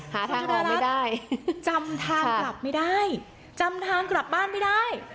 หาทางออกไม่ได้จำทางกลับไม่ได้จำทางกลับบ้านไม่ได้